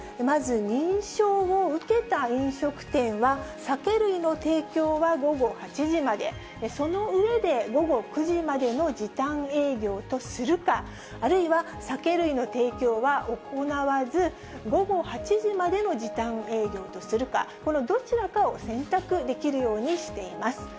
まず、認証を受けた飲食店は、酒類の提供は午後８時まで、その上で、午後９時までの時短営業とするか、あるいは酒類の提供は行わず、午後８時までの時短営業とするか、このどちらかを選択できるようにしています。